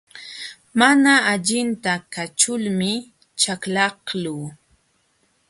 Mana allinta kaćhulmi chaklaqluu.